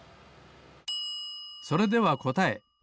それではこたえ。